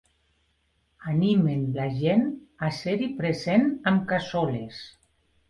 Animen la gent a ser-hi present amb cassoles.